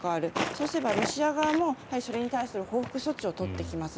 そうすると、ロシア側もそれに対する報復措置を取ってきます。